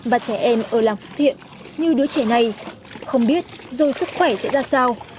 và trẻ em ở làng phước thiện như đứa trẻ này không biết dù sức khỏe sẽ ra sao